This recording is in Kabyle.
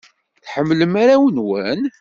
Tḥemmlem arraw-nwen?